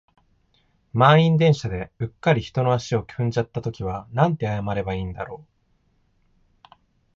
満員電車で、うっかり人の足を踏んじゃった時はなんて謝ればいいんだろう。